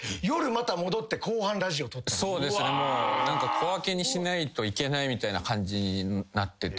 小分けにしないといけないみたいな感じになってて。